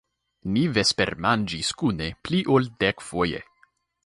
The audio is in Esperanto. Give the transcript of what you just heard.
Ni vespermanĝis kune pli ol dekfoje!